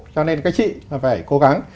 cho nên các chị phải cố gắng